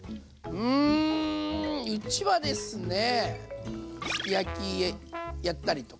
うちはですねすき焼きやったりとか。